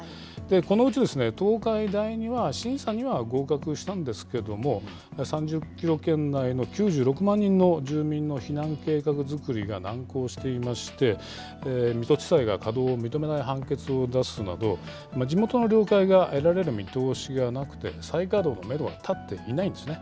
このうち、東海第二は、審査には合格したんですけれども、３０キロ圏内の９６万人の住民の避難計画作りが難航していまして、水戸地裁が稼働を認めない判決を出すなど、地元の了解が得られる見通しがなくて、再稼働のメドは立っていないんですね。